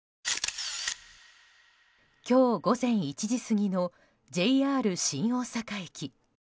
今日午前１時過ぎのＪＲ新大阪駅。